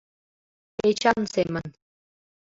Эчан семын.